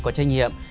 có trách nhiệm